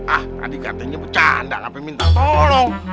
ah tadi katanya pecanda ngapain minta tolong